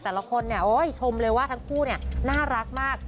แต่ละคนเนี่ยโอ้ยชมเลยว่าทั้งคู่เนี่ยน่ารักมาก